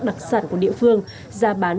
đặc sản của địa phương ra bán